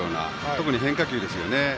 特に変化球ですよね。